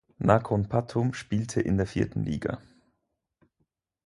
Nakhon Pathom spielte in der vierten Liga.